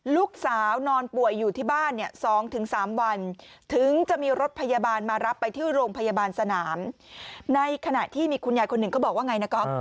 ลูกสาวนอนป่วยอยู่ที่บ้านเนี่ย๒๓วันถึงจะมีรถพยาบาลมารับไปที่โรงพยาบาลสนามในขณะที่มีคุณยายคนหนึ่งเขาบอกว่าไงนะก๊อฟ